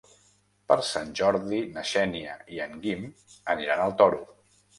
Per Sant Jordi na Xènia i en Guim aniran al Toro.